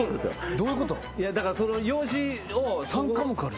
どういうこと？